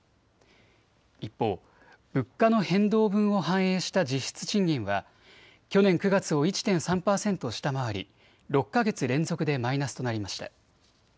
一方、物価の変動分を反映した実質賃金は去年９月を１．３％下回り６か月連続でマイナスとなりました。